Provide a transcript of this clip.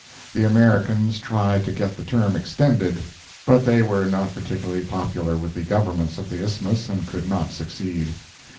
The Americans tried to get the term extended. But they were not particularly popular with the Governments of the Isthmus, and could not succeed.